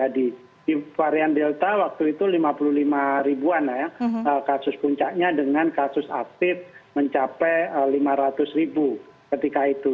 di varian delta waktu itu lima puluh lima ribuan kasus puncaknya dengan kasus aktif mencapai lima ratus ribu ketika itu